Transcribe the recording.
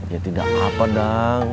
ya tidak apa dang